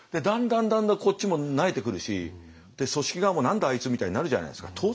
だんだんだんだんこっちも萎えてくるし組織側も「何だあいつ」みたいになるじゃないですか。